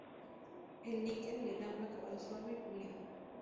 El níquel le da un acabado suave y pulido.